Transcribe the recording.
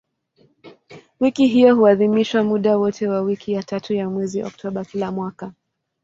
Wiki hiyo huadhimishwa muda wote wa wiki ya tatu ya mwezi Oktoba kila mwaka.